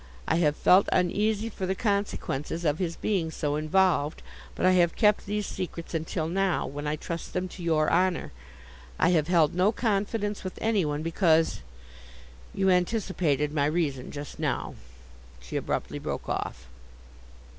I have felt uneasy for the consequences of his being so involved, but I have kept these secrets until now, when I trust them to your honour. I have held no confidence with any one, because—you anticipated my reason just now.' She abruptly broke off.